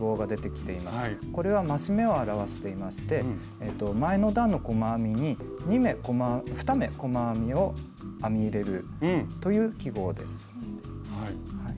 これは増し目を表していまして前の段の細編みに２目細編みを編み入れるという記号です。